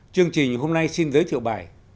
chương trình hôm nay xin giới thiệu bài